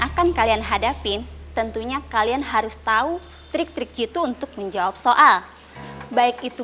akan kalian hadapin tentunya kalian harus tahu trik trik gitu untuk menjawab soal baik itu